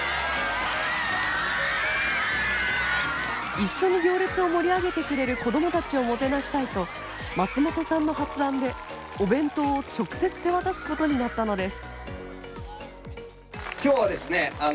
一緒に行列を盛り上げてくれる子どもたちをもてなしたいと松本さんの発案でお弁当を直接手渡すことになったのです。